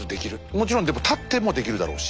もちろんでも立ってもできるだろうし。